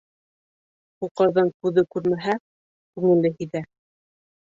Һуҡырҙың күҙе күрмәһә, күңеле һиҙә.